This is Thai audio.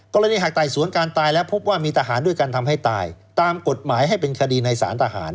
หากไต่สวนการตายแล้วพบว่ามีทหารด้วยกันทำให้ตายตามกฎหมายให้เป็นคดีในสารทหาร